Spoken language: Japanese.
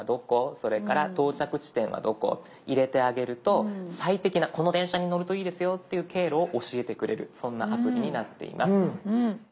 それから「到着地点はどこ」って入れてあげると最適なこの電車に乗るといいですよっていう経路を教えてくれるそんなアプリになっています。